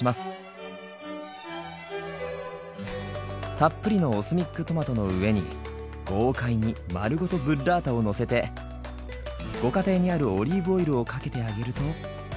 たっぷりのＯＳＭＩＣトマトの上に豪快に丸ごとブッラータをのせてご家庭にあるオリーブオイルをかけてあげると。